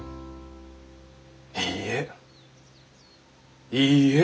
いいえいいえ！